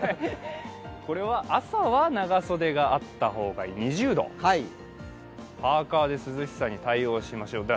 朝は長袖があった方がいい、２０度パーカで涼しさに対応しましょう。